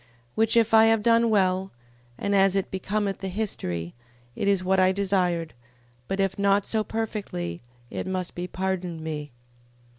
15:39. Which if I have done well, and as it becometh the history, it is what I desired: but if not so perfectly, it must be pardoned me.